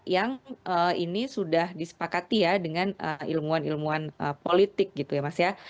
yang ini sudah disepakati ya dengan ilmuwan ilmuwan politik gitu ya mas ya